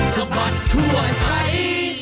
สะบัดทั่วไทย